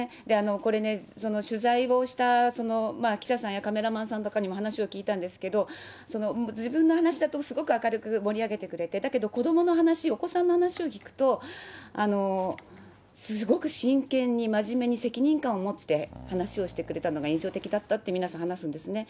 これね、取材をした記者さんやカメラマンさんとかにも話を聞いたんですけど、自分の話だとすごく明るく盛り上げてくれて、だけど子どもの話、お子さんの話を聞くと、すごく真剣に真面目に責任感を持って話をしてくれたのが印象的だったって、皆さん話すんですね。